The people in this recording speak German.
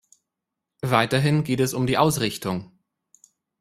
Weiterhin geht es um die Ausrichtung.